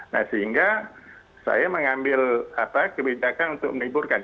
nah sehingga saya mengambil kebijakan untuk meliburkan